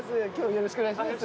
よろしくお願いします。